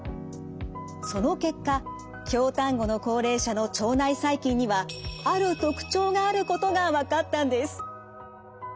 その結果京丹後の高齢者の腸内細菌にはある特徴があることが分かったんです。